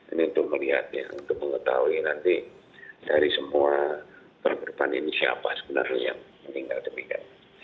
ini untuk melihat ya untuk mengetahui nanti dari semua korban ini siapa sebenarnya yang meninggal demikian